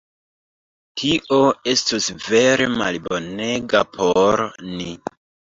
Tio estus vere malbonega por ni.